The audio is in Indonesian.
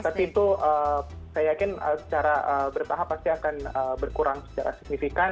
tapi itu saya yakin secara bertahap pasti akan berkurang secara signifikan